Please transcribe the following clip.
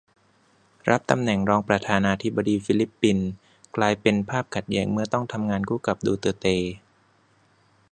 รับตำแหน่งรองประธานาธิบดีฟิลิปปินส์ กลายเป็นภาพขัดแย้งเมื่อต้องทำงานคู่กับ 'ดูเตอร์เต'